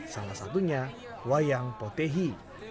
salah satunya wayang potahi